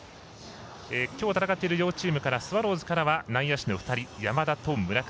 きょう戦っている両チームからはスワローズからは内野手の２人山田と村上。